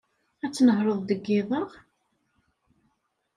Ad tnehṛeḍ deg yiḍ-a?